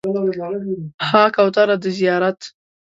ها کوتره د زیارت